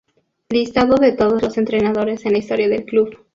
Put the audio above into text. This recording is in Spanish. Listado de todos los entrenadores en la historia del club.